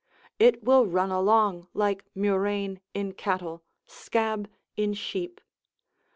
It will run along like murrain in cattle, scab in sheep.